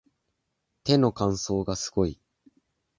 手の乾燥がすごい